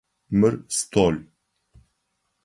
Мыр стол.